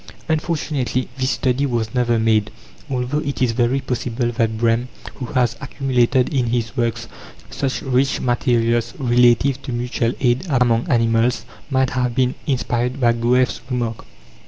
Unfortunately, this study was never made, although it is very possible that Brehm, who has accumulated in his works such rich materials relative to mutual aid among animals, might have been inspired by Goethe's remark.